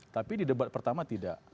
tapi di debat pertama tidak